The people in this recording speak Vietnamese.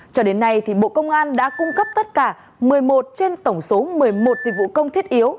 cho đến nay bộ công an đã cung cấp tất cả một mươi một trên tổng số một mươi một dịch vụ công thiết yếu